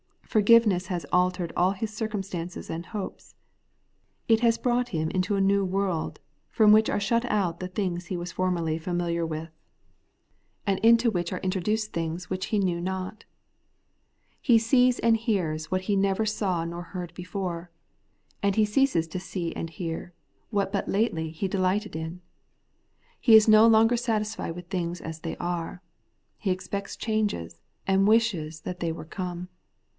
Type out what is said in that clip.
Forgiveness has altered aU his circumstances and hopes. It has brought him into a new world, from which are shut out things he was formerly familiar 208 The Everlasting Righteousness. with, and into wliich are introduced things which he knew not. He sees and hears what he never saw nor heard before ; and he ceases to see and hear what but lately he delighted in. He is no longer satisfied with things as they are. He expects changes, and wishes that they were come.